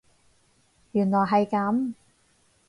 原來係咁